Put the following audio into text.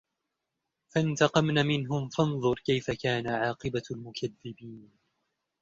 فَانْتَقَمْنَا مِنْهُمْ فَانْظُرْ كَيْفَ كَانَ عَاقِبَةُ الْمُكَذِّبِينَ